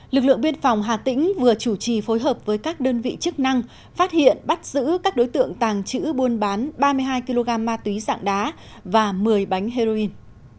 lực lượng biên phòng hà tĩnh vừa chủ trì phối hợp với các đơn vị chức năng phát hiện bắt giữ các đối tượng tàng chữ buôn bán ba mươi hai kg ma túy dạng đá và một mươi bánh heroin